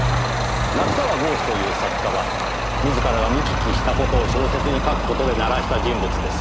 夏河郷士という作家は自らが見聞きした事を小説に書く事で鳴らした人物です。